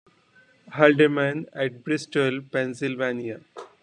Halderman, at Bristol, Pennsylvania.